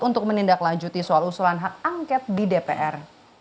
untuk menindaklanjuti soal usulan hak angket di dpr